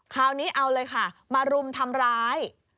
คราวนี้เอาเลยค่ะมารุมทำร้าย